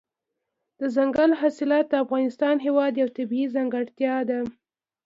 دځنګل حاصلات د افغانستان هېواد یوه طبیعي ځانګړتیا ده.